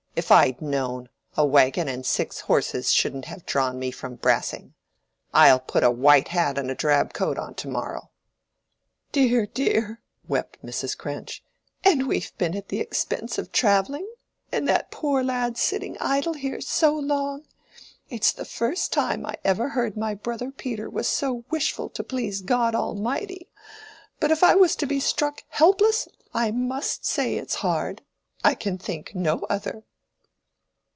If I'd known, a wagon and six horses shouldn't have drawn me from Brassing. I'll put a white hat and drab coat on to morrow." "Dear, dear," wept Mrs. Cranch, "and we've been at the expense of travelling, and that poor lad sitting idle here so long! It's the first time I ever heard my brother Peter was so wishful to please God Almighty; but if I was to be struck helpless I must say it's hard—I can think no other."